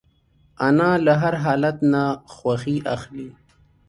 انا له هر حالت نه خوښي اخلي